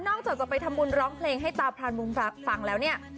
จากจะไปทำบุญร้องเพลงให้ตาพรานมุมฟังแล้วเนี่ย